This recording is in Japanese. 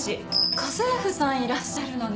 家政婦さんいらっしゃるのね。